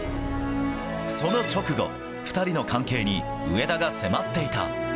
その直後、２人の関係に上田が迫っていた。